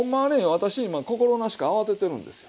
私今心なしか慌ててるんですよ。